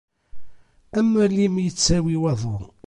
Am walim yettawi waḍu.